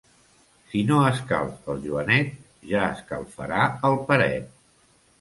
Si no escalfa el Joanet, ja escalfarà el Peret.